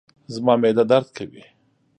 زما معده درد کوي